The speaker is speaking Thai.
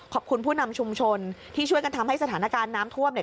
ผู้นำชุมชนที่ช่วยกันทำให้สถานการณ์น้ำท่วมเนี่ย